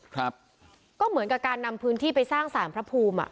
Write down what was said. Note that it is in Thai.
ครับก็เหมือนกับการนำพื้นที่ไปสร้างสารพระภูมิอ่ะ